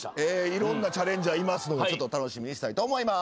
いろんなチャレンジャーいますので楽しみにしたいと思います。